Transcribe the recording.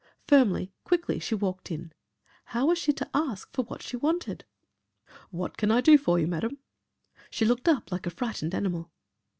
Firmly, quickly she walked in. How was she to ask for what she wanted? "What can I do for you, Madam?" She looked up like a frightened animal.